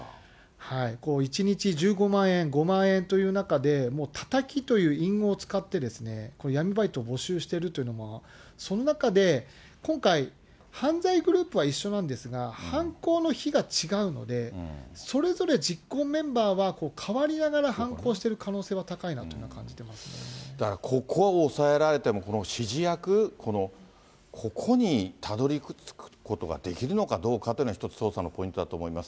１日１５万円、５万円という中で、もう、たたきという隠語を使ってですね、闇バイトを募集しているというのも、その中で、今回、犯罪グループは一緒なんですが、犯行の日が違うので、それぞれ実行メンバーは代わりながら犯行している可能性は高いなだからここを押さえられても、指示役、ここにたどりつくことができるのかどうかというのは、一つ捜査のポイントだと思います。